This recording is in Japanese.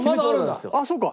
あっそうか。